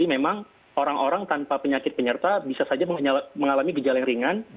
memang orang orang tanpa penyakit penyerta bisa saja mengalami gejala yang ringan